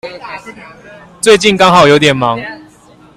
最近剛好有點忙